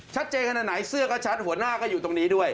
ขนาดไหนเสื้อก็ชัดหัวหน้าก็อยู่ตรงนี้ด้วย